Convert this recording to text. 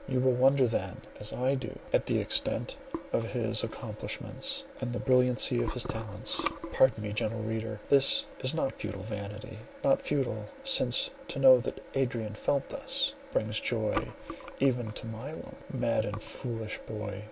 You will wonder then, as I do, at the extent of his accomplishments, and the brilliancy of his talents." (Pardon me, gentle reader, this is not futile vanity;—not futile, since to know that Adrian felt thus, brings joy even now to my lone heart). "Mad and foolish boy!"